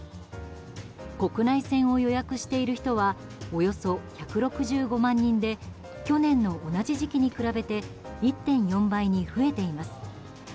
国内線を予約している人はおよそ１６５万人で去年の同じ時期に比べて１．４倍に増えています。